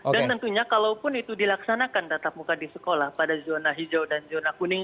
dan tentunya kalaupun itu dilaksanakan tatap muka di sekolah pada zona hijau dan zona kuning